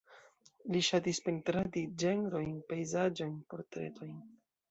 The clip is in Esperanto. Li ŝatis pentradi ĝenrojn, pejzaĝojn, portretojn.